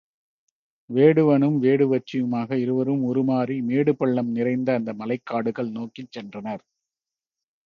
வேடுவனும் வேடுவச்சியுமாக இருவரும் உருமாறி மேடுபள்ளம் நிறைந்த அந்த மலைக்காடுகள் நோக்கிச் சென்றனர்.